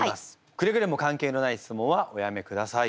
くれぐれも関係のない質問はおやめください。